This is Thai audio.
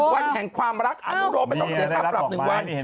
วันแห่งความรักอนุโรไม่ต้องเสียค่าปรับ๑วัน